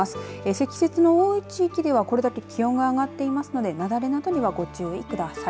積雪の多い地域ではこれだけ気温が上がっていますので雪崩などにはご注意ください。